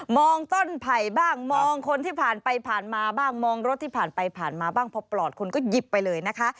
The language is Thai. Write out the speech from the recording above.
ต้นไผ่บ้างมองคนที่ผ่านไปผ่านมาบ้างมองรถที่ผ่านไปผ่านมาบ้างพอปลอดคนก็หยิบไปเลยนะคะ